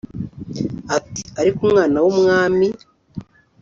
Ati “Ariko mwana w’umwami